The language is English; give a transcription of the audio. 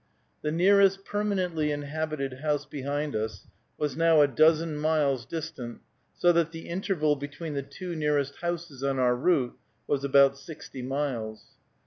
The nearest permanently inhabited house behind us was now a dozen miles distant, so that the interval between the two nearest houses on our route was about sixty miles.